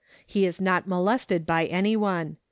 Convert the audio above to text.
He is not molested by any one.